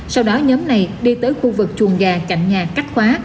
sau đó nhóm này đi tới khu vực chuồng gà cạnh nhà cách khóa